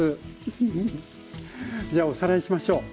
じゃあおさらいしましょう。